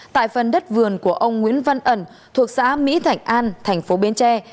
tại phần đất vườn của ông nguyễn văn ẩn thuộc xã mỹ thạnh an thành phố bến tre